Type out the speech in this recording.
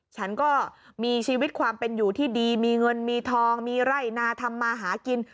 ฉันก็มีชีวิตความเป็นอยู่ที่ดีมีเงินมีทองมีไร่นาทำมาหากิน